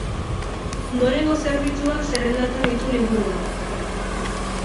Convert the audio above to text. Ondorengo zerbitzuak zerrendatzen ditu liburuan.